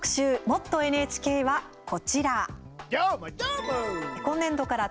「もっとＮＨＫ」は、こちら。